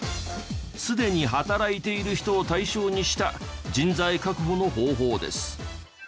すでに働いている人を対象にした人材確保の方法です。